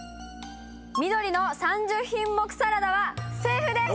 緑の３０品目サラダはセーフです！